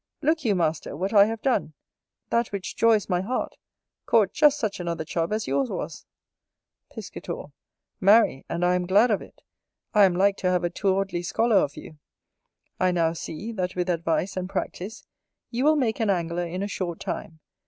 Look you, master, what I have done, that which joys my heart, caught just such another Chub as yours was. Piscator. Marry, and I am glad of it: I am like to have a towardly scholar of you. I now see, that with advice and practice, you will make an Angler in a short time.